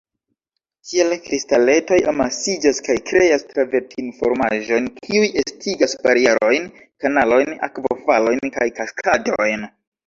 Tiel kristaletoj amasiĝas kaj kreas travertin-formaĵojn, kiuj estigas barierojn, kanalojn, akvofalojn kaj kaskadojn.